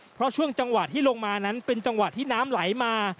เพราะช่วงจังหวะที่ลงมานั้นเป็นจังหวะที่น้ำไหลมา